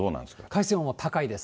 海水温は高いです。